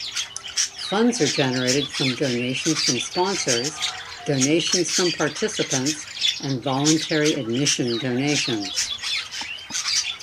Funds are generated from donations from sponsors, donations from participants and voluntary admission donations.